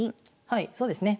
はいそうですね。